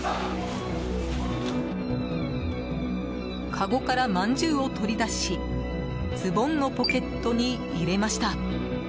かごからまんじゅうを取り出しズボンのポケットに入れました。